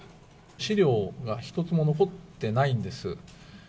資料が一つも残ってないんです。